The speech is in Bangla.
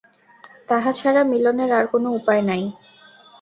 তাহা ছাড়া মিলনের আর কোন উপায় নাই।